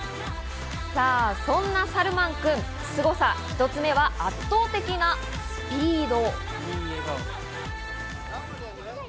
そんなサルマン君、すごさ１つ目は圧倒的なスピード。